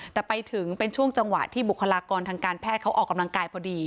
แต่ไปถึงเป็นช่วงจังหวะที่บุคลากรทางการแพทย์เขาออกกำลังกายพอดี